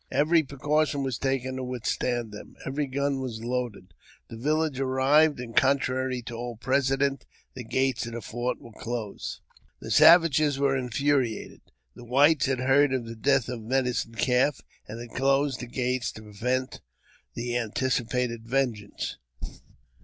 Every pre caution was taken to withstand them — every gun was loaded The village arrived, and, contrary to all precedent, the gate of the fort were closed. The savages were infuriated. The whites had heard of tht death of the Medicine Calf, and had closed the gates to pre vent the anticipated vengeance.